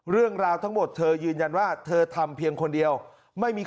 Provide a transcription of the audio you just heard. เรื่องราวทั้งหมดเธอยืนยันว่าเธอทำเพียงคนเดียวไม่มี